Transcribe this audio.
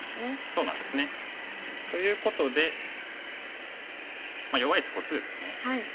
そうなんですね。ということで弱い石こっちですよね。